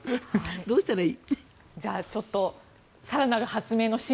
どうしたらいい。